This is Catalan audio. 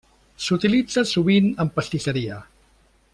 S'utilitza sovint en pastisseria.